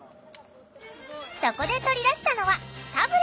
そこで取り出したのはタブレット。